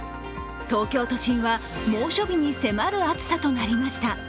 東京都心は猛暑日に迫る暑さとなりました。